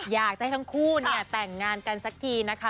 อยากจะให้ทั้งคู่เนี่ยแต่งงานกันสักทีนะคะ